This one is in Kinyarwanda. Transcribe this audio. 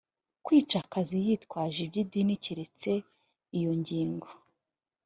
kwica akazi yitwaje iby idini keretse iyo ngingo